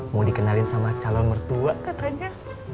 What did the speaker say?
mau dikenalin sama calon mertua katanya